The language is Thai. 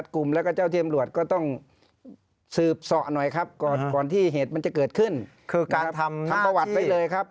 คือการทำหน้าที่ทำประวัติไว้เลยครับ